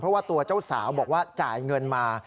เพราะว่าตัวเจ้าสาวบอกว่าจ่ายเงินมา